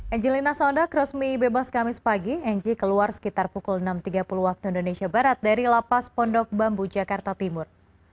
angelina sondak resmi bebas kamis pagi ng keluar sekitar pukul enam tiga puluh waktu indonesia barat dari lapas pondok bambu jakarta timur